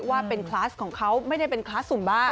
ว่าเป็นคลาสของเขาไม่ได้เป็นคลาสสุ่มบ้า